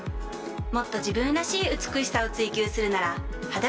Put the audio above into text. もっと自分らしい「美しさ」を追求するなら「肌分析」！